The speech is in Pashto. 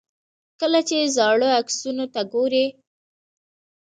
کله چې زاړو عکسونو ته ګورئ.